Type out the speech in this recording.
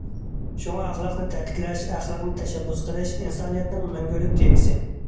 شۇڭا ئەخلاقنى تەكىتلەش، ئەخلاقنى تەشەببۇس قىلىش ئىنسانىيەتنىڭ مەڭگۈلۈك تېمىسى.